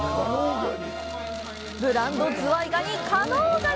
ブランドズワイガニ、加能ガニ。